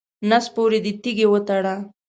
نس پورې دې تیږې وتړه.